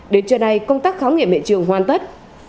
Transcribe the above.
đến trưa nay công tác khám nghiệm hiện trường hoàn tất